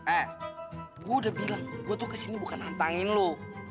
eh gua udah bilang gua tuh kesini bukan nantangin lu